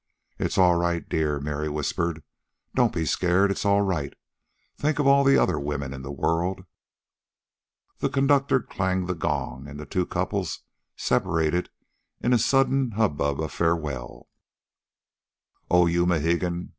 "It's all right, dear," Mary whispered. "Don't be scared. It's all right. Think of all the other women in the world." The conductor clanged the gong, and the two couples separated in a sudden hubbub of farewell. "Oh, you Mohegan!"